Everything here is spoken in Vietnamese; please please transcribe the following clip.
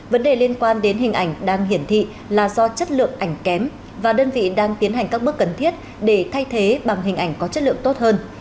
vấn đề liên quan đến hình ảnh đang hiển thị là do chất lượng ảnh kém và đơn vị đang tiến hành các bước cần thiết để thay thế bằng hình ảnh có chất lượng tốt hơn